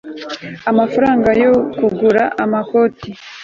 amafaranga yo kugura amakoti